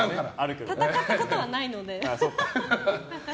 戦ったことはないので。